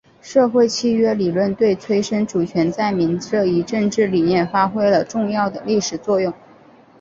社会契约理论对催生主权在民这一政治理念发挥了重要的历史作用。